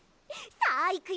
さあいくよ！